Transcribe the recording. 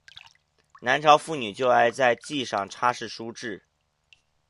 南朝妇女就爱在髻上插饰梳栉。